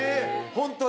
ホントに。